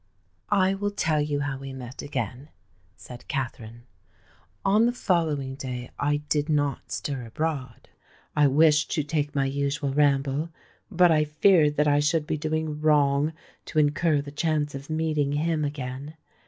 "I will tell you how we met again," said Katherine. "On the following day I did not stir abroad: I wished to take my usual ramble—but I feared that I should be doing wrong to incur the chance of meeting him again.